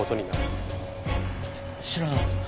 し知らない。